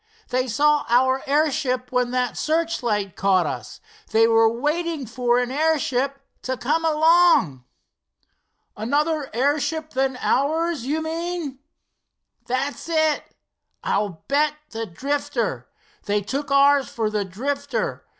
They saw our airship when that searchlight caught us. They were waiting for an airship to come along." "Another airship than ours, you mean?" "That's it, and I'll bet the Drifter! They took ours for the Drifter.